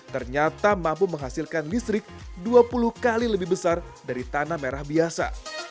ternyata mampu menghasilkan listrik dua puluh kali lebih besar dari tanah merah biasa